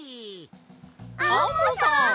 アンモさん！